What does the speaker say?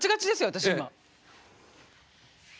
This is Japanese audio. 私今。